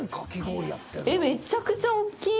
えっ、めっちゃくちゃ大きい。